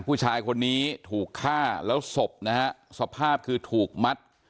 ผู้ชายคนนี้ถูกฆ่าแล้วศพนะฮะสภาพคือถูกมัด